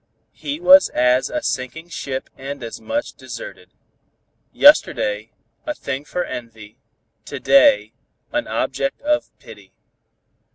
He was as a sinking ship and as such deserted. Yesterday a thing for envy, to day an object of pity.